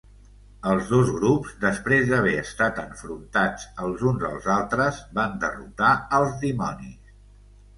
Els dos grups, després d'haver estat enfrontats els uns als altres, van derrotar als dimonis.